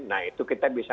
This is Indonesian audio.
nah itu kita bisa